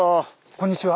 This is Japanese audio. こんにちは。